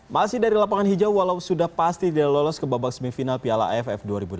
masih dari lapangan hijau walau sudah pasti tidak lolos ke babak semifinal piala aff dua ribu delapan belas